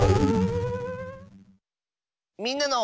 「みんなの」。